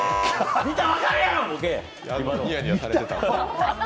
見たら分かるやろ、ボケ！